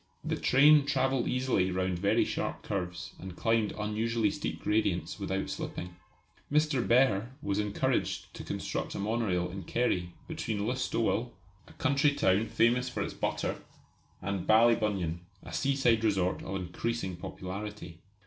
The train travelled easily round very sharp curves and climbed unusually steep gradients without slipping. Mr. Behr was encouraged to construct a monorail in Kerry, between Listowel, a country town famous for its butter, and Ballybunion, a seaside resort of increasing popularity.